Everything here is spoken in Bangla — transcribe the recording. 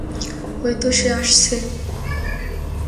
ওই তো, সে আসছে।